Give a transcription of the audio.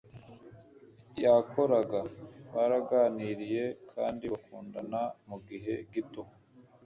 yakoraga. baraganiriye kandi bakundana mugihe gito